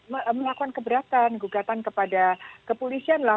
melakukan keberatan gugatan kepada kepolisian lah